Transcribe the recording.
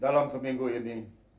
dalam seminggu ini